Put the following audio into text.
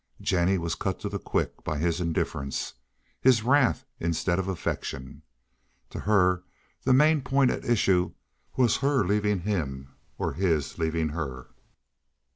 Jennie was cut to the quick by his indifference, his wrath instead of affection. To her the main point at issue was her leaving him or his leaving her.